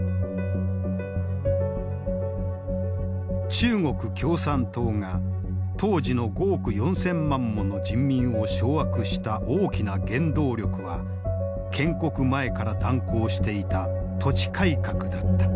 中国共産党が当時の５億４，０００万もの人民を掌握した大きな原動力は建国前から断行していた土地改革だった。